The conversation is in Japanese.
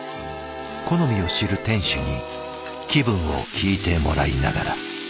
好みを知る店主に気分を聞いてもらいながら。